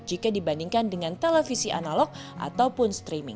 jika dibandingkan dengan televisi analog ataupun streaming